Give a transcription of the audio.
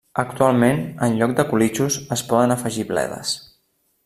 Actualment en lloc de colitxos es poden afegir bledes.